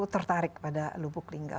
tertarik pada lubulingga